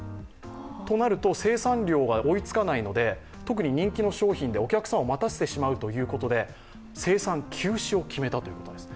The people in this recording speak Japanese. となると生産量が追いつかないので、特に人気の商品でお客さんを待たせてしまうということで生産休止を決めたということです。